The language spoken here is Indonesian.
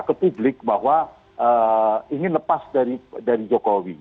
ke publik bahwa ingin lepas dari jokowi